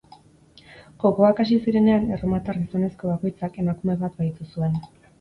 Jokoak hasi zirenean, erromatar gizonezko bakoitzak emakume bat bahitu zuen.